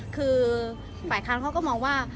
คือฝ่ายอาการเค้าก็มองว่า